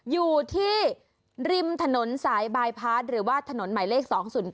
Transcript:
อยู่ที่ริมถนนสายบายพาร์ทหรือว่าถนนหมายเลข๒๐๙